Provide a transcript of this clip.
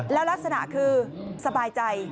แล้วลักษณะคือสบายใจ